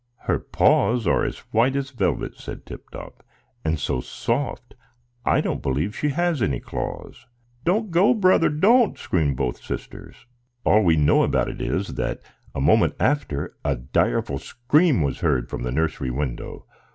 "Her paws are as white as velvet," said Tip Top, "and so soft! I don't believe she has any claws." "Don't go, brother, don't!" screamed both sisters. All we know about it is, that a moment after a direful scream was heard from the nursery window.